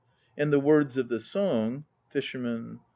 And the words of the song FISHERMAN.